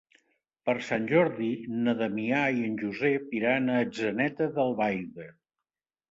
Per Sant Jordi na Damià i en Josep iran a Atzeneta d'Albaida.